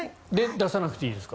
出さなくていいですか？